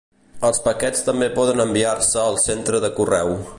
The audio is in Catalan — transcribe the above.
Els paquets també poden enviar-se al centre de correu.